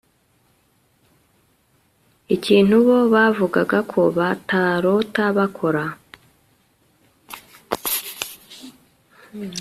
ikintu bo bavugaga ko batarota bakora